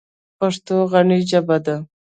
پښتو غني ژبه ده.